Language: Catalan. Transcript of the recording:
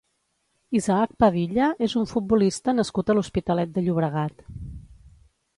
Isaac Padilla és un futbolista nascut a l'Hospitalet de Llobregat.